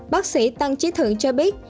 bác sĩ tăng trí thượng cho biết